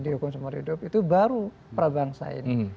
dihukum seumur hidup itu baru prabangsa ini